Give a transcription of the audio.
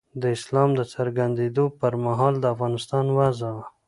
د اسلام د څرګندېدو پر مهال د افغانستان وضع وه.